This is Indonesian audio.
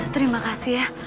terima kasih ya